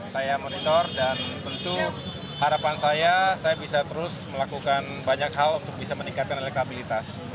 saya monitor dan tentu harapan saya saya bisa terus melakukan banyak hal untuk bisa meningkatkan elektabilitas